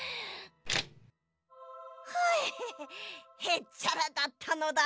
へっちゃらだったのだ。